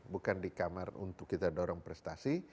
bukan di kamar untuk kita dorong prestasi